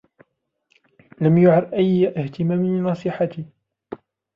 لم يعر أي اهتمام لنصيحتي.